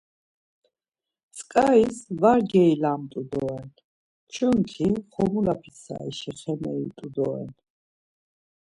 Tzǩaris var geilamt̆u doren çunki xomula pitsarişi xeneri t̆u doren.